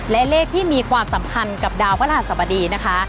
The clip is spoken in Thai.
และเลขที่มีความสำคัญกับดาวพระราชสบดีนะคะ